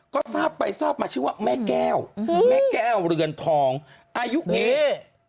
ก็ทราบไปทราบมาชื่อว่าแม่แก้วแม่แก้วเรือนทองอายุนี้